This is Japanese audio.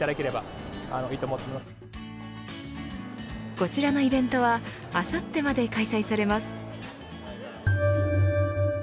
こちらのイベントはあさってまで開催されます。